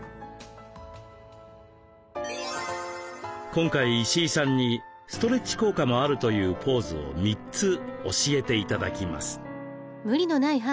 今回石井さんにストレッチ効果もあるというポーズを３つ教えて頂きます。